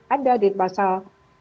ada di pasal tujuh puluh tujuh